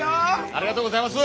ありがとうございます！